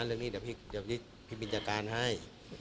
เรื่องนี้เดี๋ยวพี่บินจัดการให้